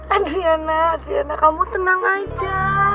adriana adriana kamu tenang aja